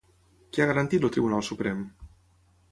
Què ha garantit el Tribunal Suprem?